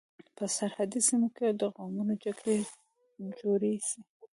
په سرحدي سيمو کي د قومونو جرګي جوړي سي.